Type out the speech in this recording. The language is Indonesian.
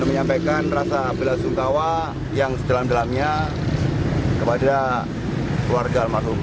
dan menyampaikan rasa belasungkawa yang sedalam dalamnya kepada warga almarhum